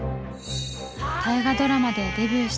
大河ドラマでデビューした